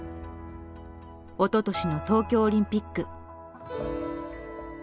おととしの東京オリンピック。